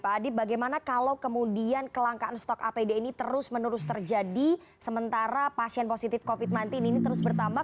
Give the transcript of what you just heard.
pak adib bagaimana kalau kemudian kelangkaan stok apd ini terus menerus terjadi sementara pasien positif covid sembilan belas ini terus bertambah